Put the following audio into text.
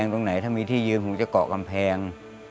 ตรงไหนถ้ามีที่ยืนผมจะเกาะกำแพง